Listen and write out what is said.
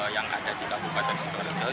yang ada di kabupaten sidoarjo